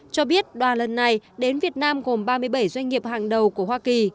cho biết đoàn lần này đến việt nam gồm ba mươi bảy doanh nghiệp hàng đầu của hoa kỳ